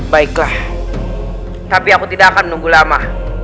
baiklah tapi aku tidak akan menunggu lama